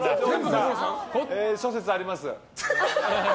えー、諸説あります。